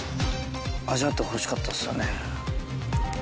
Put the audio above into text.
味わってほしかったですよね。